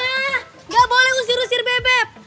ih mama gak boleh usir usir bebeb